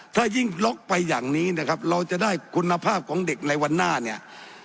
ถ้ายิ่งล็อกไปอย่างนี้นะครับเราจะได้คุณภาพของเด็กในวันหน้าเนี่ย